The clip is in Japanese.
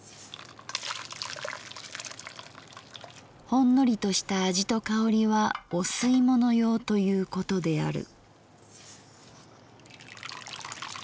「ほんのりとした味と香はお吸物用ということである」。